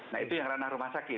nah itu yang ranah rumah sakit